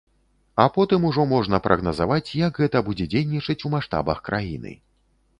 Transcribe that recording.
А потым ужо можна прагназаваць, як гэта будзе дзейнічаць у маштабах краіны.